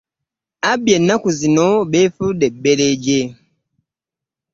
Abbi ennaku zino beefudde bbereegye.